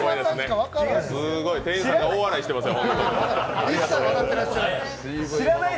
店員さんが大笑いしてますよ。